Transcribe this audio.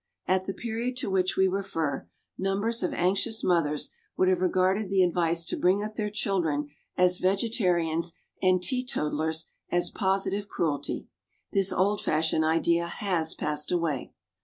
At the period to which we refer, numbers of anxious mothers would have regarded the advice to bring up their children as vegetarians and teetotallers as positive cruelty. This old fashioned idea has passed away.